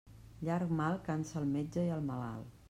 Llarg mal cansa el metge i el malalt.